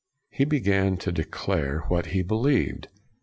He began to declare what he believed.